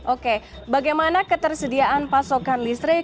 oke bagaimana ketersediaan pasokan listrik